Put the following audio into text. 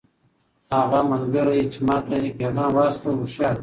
هغه ملګری چې ما ته یې پیغام واستاوه هوښیار دی.